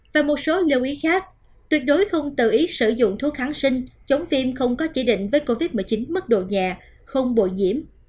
và một số lưu ý khác tuyệt đối không tự ý sử dụng thuốc kháng sinh chống phim không có chỉ định với covid một mươi chín mất độ nhà không bồi nhiễm